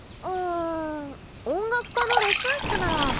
うん音楽科のレッスン室なら。